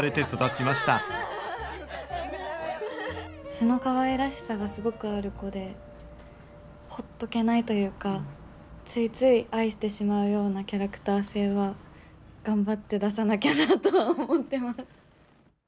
素のかわいらしさがすごくある子でほっとけないというかついつい愛してしまうようなキャラクター性は頑張って出さなきゃなとは思ってます。